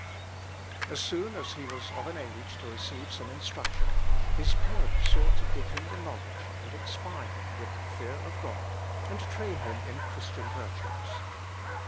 As soon as he was of an age to receive some instruction, his parents sought to give him the knowledge and inspire him with the fear of God, and train him in Christian virtues.